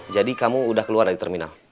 jadi kamu udah keluar dari terminal